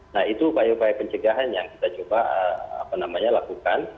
nah itu upaya upaya pencegahan yang kita coba lakukan